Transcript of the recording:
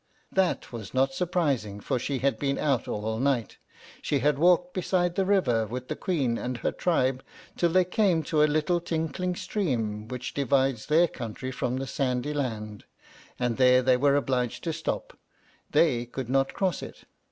That was not surprising, for she had been out all night. She had walked beside the river with the Queen and her tribe till they came to a little tinkling stream, which divides their country from the sandy land, and there they were obliged to stop; they could not cross it.